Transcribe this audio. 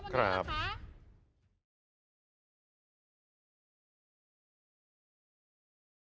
ครับ